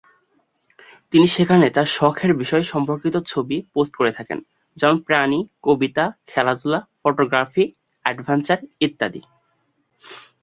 তিনি সেখানে তাঁর শখের বিষয় সম্পর্কিত ছবি পোস্ট করে থাকেন, যেমনঃ প্রাণী, কবিতা, খেলাধুলা, ফটোগ্রাফি, অ্যাডভেঞ্চার ইত্যাদি।